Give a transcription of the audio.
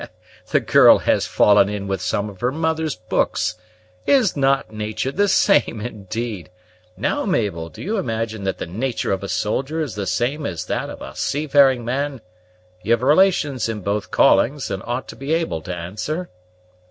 "The girl has fallen in with some of her mother's books. Is not nature the same, indeed! Now, Mabel, do you imagine that the nature of a soldier is the same as that of a seafaring man? You've relations in both callings, and ought to be able to answer."